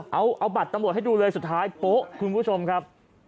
เอาบัตรตำรวจให้ดูเลยสุดท้ายโป๊ะคุณผู้ชมครับ